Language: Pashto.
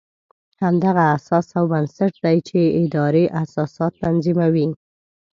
همدغه اساس او بنسټ دی چې ادارې اساسات تنظیموي.